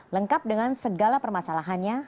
lengkap dengan segala permasalahannya